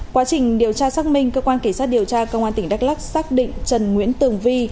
quá trình điều tra xác minh cơ quan kỳ sát điều tra công an tỉnh đắk lắc xác định trần nguyễn tường vi